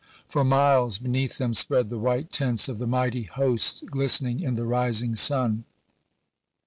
For miles beneath them spread the white tents of the mightj^ hosts glistening in the rising sun.